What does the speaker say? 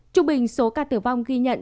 chủ bình số ca tử vong ghi nhận